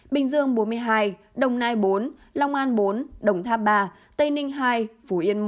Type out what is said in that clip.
bình dương bốn mươi hai đồng nai bốn long an bốn đồng tháp ba tây ninh hai phú yên một